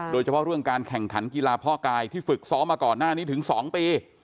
โดยเฉพาะเรื่องการแข่งขันกีฬาพ่อกายที่ฝึกซ้อมมาก่อนหน้านี้ถึง๒ปี